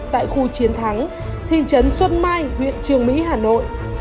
tại khu chiến thắng thị trấn xuân mai huyện trường mỹ hà nội